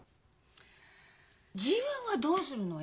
自分はどうするの？